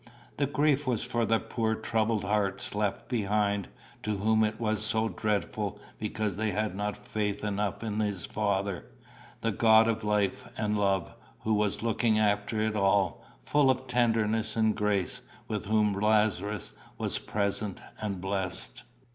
The grief was for the poor troubled hearts left behind, to whom it was so dreadful because they had not faith enough in his Father, the God of life and love, who was looking after it all, full of tenderness and grace, with whom Lazarus was present and blessed.